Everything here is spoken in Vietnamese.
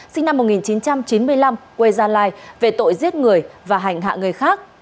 sinh năm một nghìn chín trăm chín mươi năm quê gia lai về tội giết người và hành hạ người khác